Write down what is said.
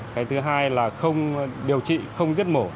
cái thứ hai là không điều trị không giết mổ